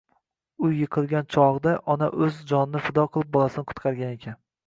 Uy yiqilgan chogʻda ona oʻz jonini fido qilib, bolasini qutqargan ekan